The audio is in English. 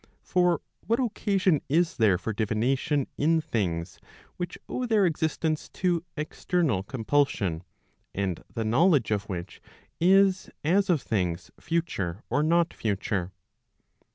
For what occasion is there for divination in things which owe their existence to external compulsion, and the knowledge of which is as of things future or not future.